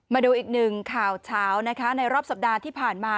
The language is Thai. มาดูอีกหนึ่งข่าวเช้านะคะในรอบสัปดาห์ที่ผ่านมา